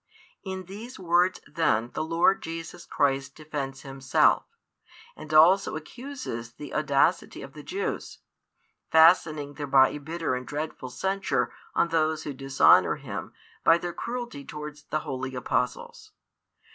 In these words then the Lord Jesus Christ defends Himself, and also accuses the audacity of the Jews; fastening thereby a bitter and dreadful censure on those who dishonour Him by their cruelty towards the holy Apostles.